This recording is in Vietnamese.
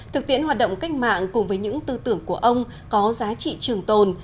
thực tiễn hoạt động cách mạng cùng với những tư tưởng của ông có giá trị trường tồn